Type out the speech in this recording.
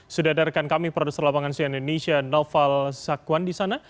sudah dari kami produser lapangan suya indonesia naufal zakwan di sana